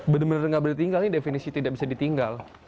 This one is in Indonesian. bener bener nggak boleh tinggal nih definisi tidak bisa ditinggal